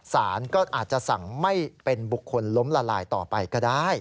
สารก็อาจจะสั่งไม่เป็นบุคคลล้มละลายต่อไปก็ได้